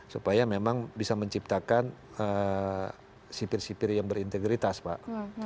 supaya memang bisa menciptakan sipir sipir yang berintegritas pak